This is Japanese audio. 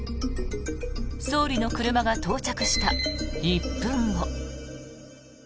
総理の車が到着した１分後。